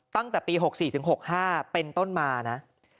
ตั้งแต่ปี๖๔ถึง๖๕เป็นต้นมานะ